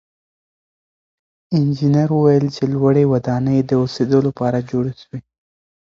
انجنیر وویل چې لوړې ودانۍ د اوسېدو لپاره جوړې سوې.